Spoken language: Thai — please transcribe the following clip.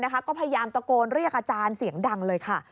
ก็พยายามตะโกนเรียกอาจารย์เสียงดังเลยค่ะ